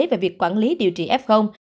về việc quản lý điều trị f